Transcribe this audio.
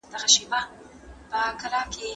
دا زما خوب دی.